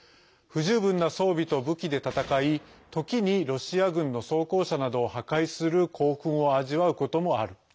不十分な装備と武器で戦いときに、ロシア軍の装甲車などを破壊する興奮を味わうこともある。